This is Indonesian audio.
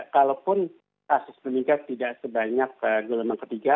kalaupun kasus meningkat tidak sebanyak gelombang ketiga